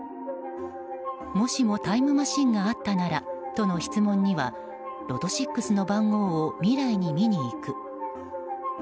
もしもタイムマシンがあったならとの質問にはロト６の番号を未来に見に行く。